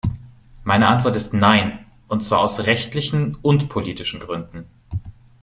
Meine Antwort ist nein, und zwar aus rechtlichen und politischen Gründen.